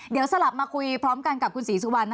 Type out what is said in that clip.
เดี๋ยวสลับมาคุยพร้อมกันกับคุณศรีสุวรรณ